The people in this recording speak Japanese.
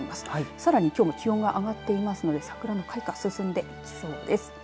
さらにきょうも気温が上がってますので桜の開花進んでいきそうです。